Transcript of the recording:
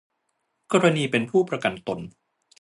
กรณีเป็นผู้ประกันตน